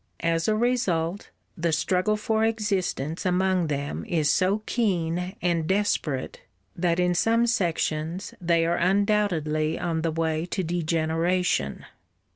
As a result, the struggle for existence among them is so keen and desperate that in some sections they are undoubtedly on the way to degeneration.